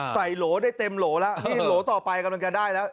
โหลได้เต็มโหลแล้วนี่โหลต่อไปกำลังจะได้แล้ว